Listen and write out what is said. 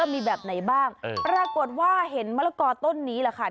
มีแบบไหนบ้างปรากฏว่าเห็นมะละกอต้นนี้แหละค่ะ